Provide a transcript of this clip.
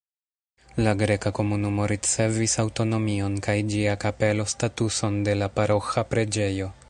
La greka komunumo ricevis aŭtonomion kaj ĝia kapelo statuson de la paroĥa preĝejo.